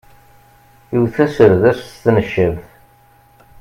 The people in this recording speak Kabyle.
Iwet aserdas s tneccabt.